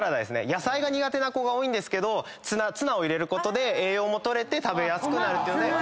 野菜が苦手な子多いんですけどツナを入れることで栄養も取れて食べやすくなるので。